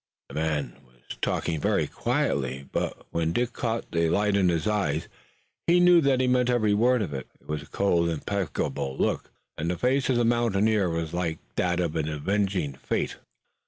The man was talking very quietly, but when Dick caught the light in his eye he knew that he meant every word. It was a cold, implacable look, and the face of the mountaineer was like that of an avenging fate.